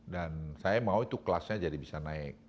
dan saya mau itu kelasnya jadi bisa naik